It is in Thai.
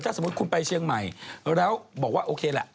สมมุติคุณไปเชียงใหม่แล้วบอกว่าโอเคแหละ